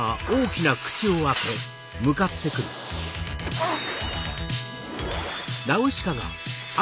あっ！